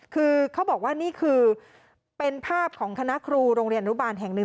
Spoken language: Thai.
คือเขาบอกว่านี่คือเป็นภาพของคณะครูโรงเรียนอนุบาลแห่งหนึ่ง